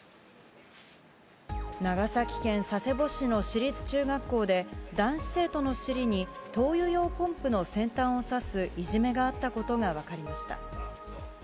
長崎県佐世保市の市立中学校で、男子生徒の尻に灯油用ポンプの先端をさすいじめがあったことが分かりました。